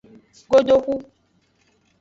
Godoxu.